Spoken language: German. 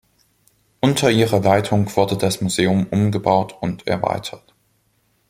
Unter ihrer Leitung wurde das Museum umgebaut und erweitert.